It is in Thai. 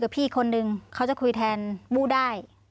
เป็นแฟนบูได้